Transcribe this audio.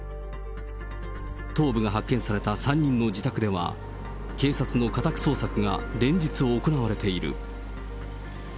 頭部が発見された３人の自宅では、警察の家宅捜索が連日行われている。